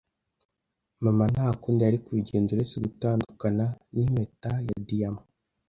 Mama nta kundi yari kubigenza uretse gutandukana n'impeta ya diyama.